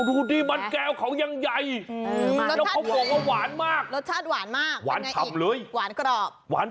เพราะว่าบางคนจะคองวามล่ะ